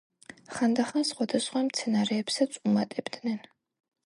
ხანდახან სხვადასხვა მცენარეებსაც უმატებდნენ.